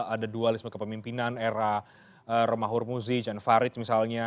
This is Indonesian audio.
ada dualisme kepemimpinan era romahur muzi jan farid misalnya